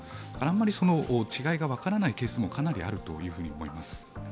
あんまり違いが分からないケースもかなりあると思います。